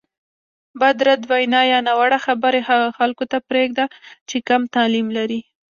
بدرد وینا یا ناوړه خبرې هغو خلکو ته پرېږده چې کم تعلیم لري.